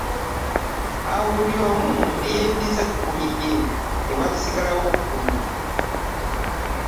Awo buli omu ne yeddiza e kkumi lye, ne wasigalawo kkumi.